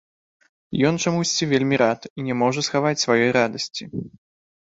Ён чамусьці вельмі рад і не можа схаваць сваёй радасці.